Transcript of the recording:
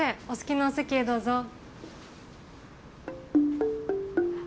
お好きなお席へどうぞ。